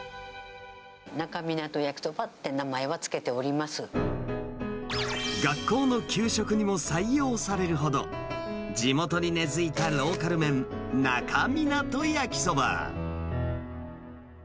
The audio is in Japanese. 那珂湊焼きそばって名前は付学校の給食にも採用されるほど、地元に根づいたローカル麺、那珂湊焼きそば。